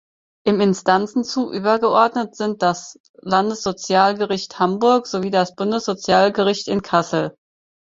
Im Instanzenzug übergeordnet sind das Landessozialgericht Hamburg sowie das Bundessozialgericht in Kassel.